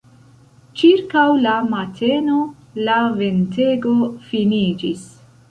Ĉirkaŭ la mateno la ventego finiĝis.